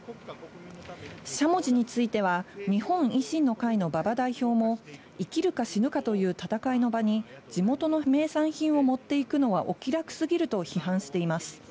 しゃもじについては、日本維新の会の馬場代表も、生きるか死ぬかという戦いの場に、地元の名産品を持っていくのはお気楽すぎると批判しています。